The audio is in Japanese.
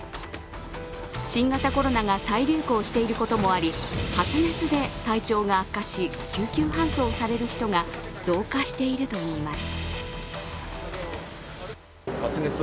新型コロナが再流行していることもあり、発熱で体調が悪化し、救急搬送される人が増加しているといいます。